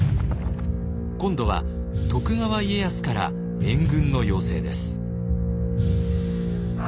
今度は徳川家康から援軍の要請です。